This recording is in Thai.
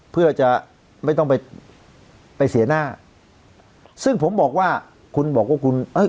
เพื่อจะไม่ต้องไปไปเสียหน้าซึ่งผมบอกว่าคุณบอกว่าคุณเอ้ย